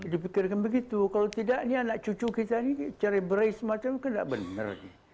dipikirkan begitu kalau tidak ini anak cucu kita ini cari berai semacam kan tidak benar